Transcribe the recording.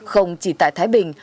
không chỉ tại thái bình